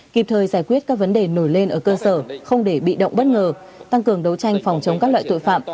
kịp thời giải quyết các vấn đề nổi lên ở cơ sở không để bị động bất ngờ tăng cường đấu tranh phòng chống các loại tội phạm